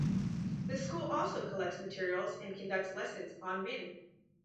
The school also collects materials and conducts lessons on Min.